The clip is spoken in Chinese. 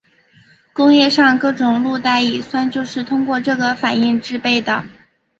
工业上各种氯代乙酸就是通过这个反应制备的。